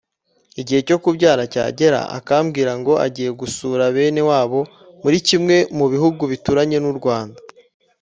Igihe cyo kubyara cyagera akabwira ngo agiye gusura bene wabo muri kimwe mu bihugu bituranye n’u Rwanda